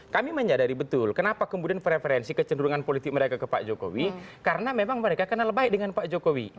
kami menyadari betul kenapa kemudian preferensi kecenderungan politik mereka ke pak jokowi karena memang mereka kenal baik dengan pak jokowi